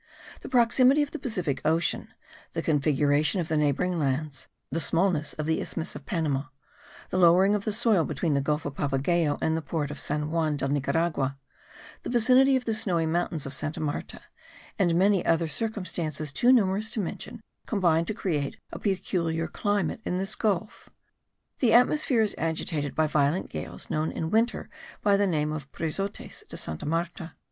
The proximity of the Pacific Ocean, the configuration of the neighbouring lands, the smallness of the isthmus of Panama, the lowering of the soil between the gulf of Papagayo and the port of San Juan de Nicaragua, the vicinity of the snowy mountains of Santa Marta, and many other circumstances too numerous to mention, combine to create a peculiar climate in this gulf. The atmosphere is agitated by violent gales known in winter by the name of the brizotes de Santa Marta.